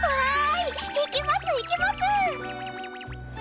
行きます行きます！